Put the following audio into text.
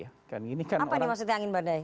apa maksudnya angin badai